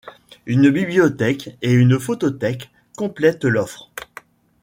Une bibliothèque et une photothèque complètent l’offre.